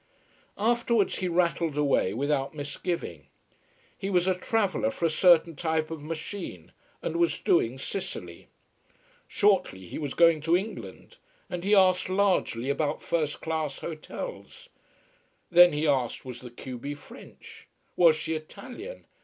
Afterwards he rattled away without misgiving. He was a traveller for a certain type of machine, and was doing Sicily. Shortly he was going to England and he asked largely about first class hotels. Then he asked was the q b French? Was she Italian?